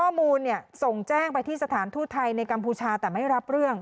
ข้อมูลส่งแจ้งไปที่สถานทูตไทยในกัมพูชาแต่ไม่รับเรื่อง